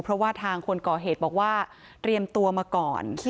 เพราะว่าทางคนก่อเหตุบอกว่าเตรียมตัวมาก่อน